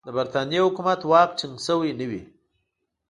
د برټانیې حکومت واک ټینګ سوی نه وي.